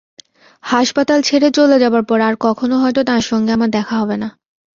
হাসপাতাল ছেড়ে চলে যাবার পর আর কখনো হয়তো তাঁর সঙ্গে আমার দেখা হবে না।